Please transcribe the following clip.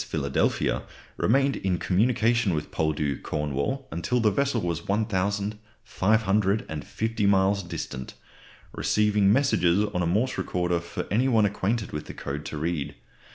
Philadelphia remained in communication with Poldhu, Cornwall, until the vessel was 1550 miles distant, receiving messages on a Morse recorder for any one acquainted with the code to read.